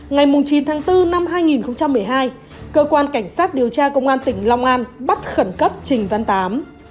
ngày chín tháng bốn năm hai nghìn một mươi hai cơ quan cảnh sát điều tra công an tỉnh long an bắt khẩn cấp trình văn tám